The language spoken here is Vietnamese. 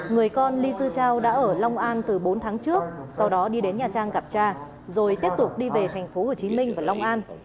người con ly dư trao đã ở long an từ bốn tháng trước sau đó đi đến nhà trang gặp tra rồi tiếp tục đi về thành phố hồ chí minh và long an